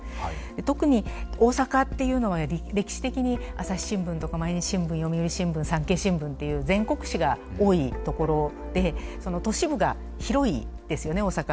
特に大阪っていうのは歴史的に朝日新聞とか毎日新聞読売新聞産経新聞っていう全国紙が多いところでその都市部が広いですよね大阪。